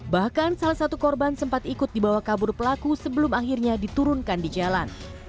bahkan salah satu korban sempat ikut dibawa kabur pelaku sebelum akhirnya diturunkan di jalan